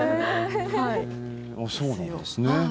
そうなんですね。